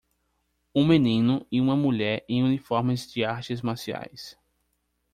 Um menino e uma mulher em uniformes de artes marciais.